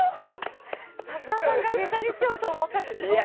作家さんがネタにしようと思ったってすごいですね。